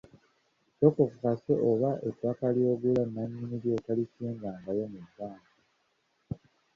Sooka okakase oba ettaka ly'ogula nnannyini lyo talisingangayo mu bbanka.